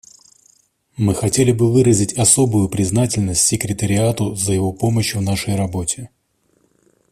Мы хотели бы выразить особую признательность Секретариату за его помощь в нашей работе.